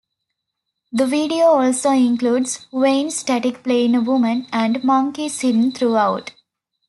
The video also includes Wayne Static playing a woman, and monkeys hidden throughout.